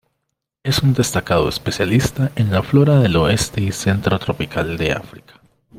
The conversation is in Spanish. Es un destacado especialista en la flora del oeste y centro tropical de África.